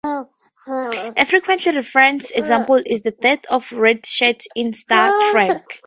A frequently referenced example is the deaths of redshirts in "Star Trek".